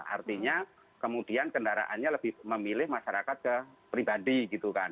artinya kemudian kendaraannya lebih memilih masyarakat ke pribadi gitu kan